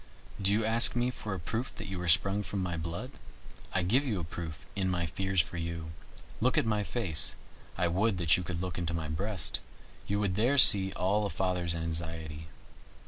Do you ask me for a proof that you are sprung from my blood? I give you a proof in my fears for you. Look at my face I would that you could look into my breast, you would there see all a father's anxiety.